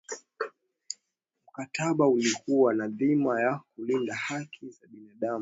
mkataba ulikuwa na dhima ya kulinda haki za binadamu